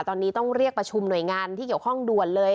ตอนนี้ต้องเรียกประชุมหน่วยงานที่เกี่ยวข้องด่วนเลย